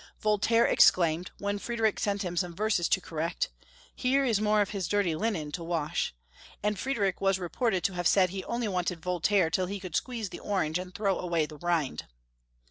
Voltaire exclaimed, when Friedrich sent him some verses to correct — "Here is more of his dirty linen to wash; " and Friedrich was reported to have said he only wanted Voltaire till he could squeeze the orange and throw away the rind.